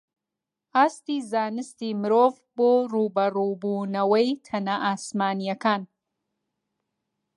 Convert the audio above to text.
ئاستی زانستی مرۆڤ بۆ ڕووبەڕووبوونەوەی تەنە ئاسمانییەکان